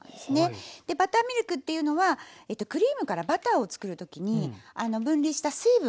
でバターミルクっていうのはクリームからバターを作る時に分離した水分。